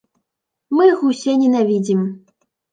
Мы іх усе ненавідзім.